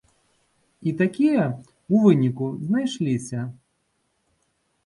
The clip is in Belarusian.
І такія, у выніку, знайшліся.